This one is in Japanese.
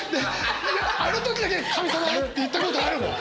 あの時だけ「神様」って言ったことあるもん！